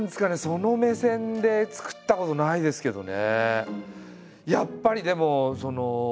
その目線で作ったことないですけどね。